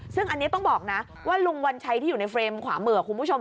ซึ่งอันนี้ต้องบอกนะว่าลุงวัญชัยที่อยู่ในเฟรมขวามือคุณผู้ชม